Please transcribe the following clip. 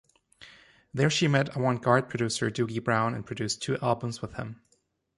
There she met avant-garde producer Dougie Bowne and produced two albums with him.